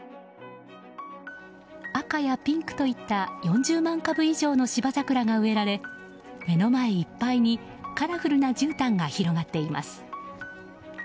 赤やピンクといった４０万株以上の芝桜が植えられ目の前いっぱいにカラフルなじゅうたんが広がっています。